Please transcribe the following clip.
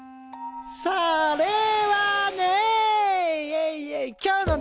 それはね。